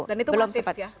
dan itu masih ya